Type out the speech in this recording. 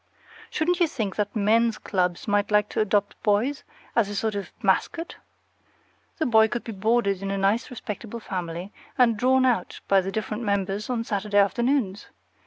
Shouldn't you think that men's clubs might like to adopt boys, as a sort of mascot? The boy could be boarded in a nice respectable family, and drawn out by the different members on Saturday afternoons.